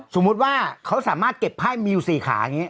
สมมุติว่าเขาสามารถเก็บไพ่มีอยู่๔ขาอย่างนี้